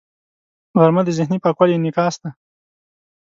غرمه د ذهني پاکوالي انعکاس دی